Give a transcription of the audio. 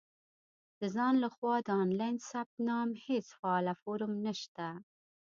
• د ځان له خوا د آنلاین ثبت نام هېڅ فعاله فورم نشته.